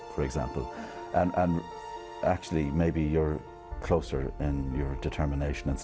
dan sebenarnya mungkin anda lebih dekat dalam kebijakan dan kebenaran anda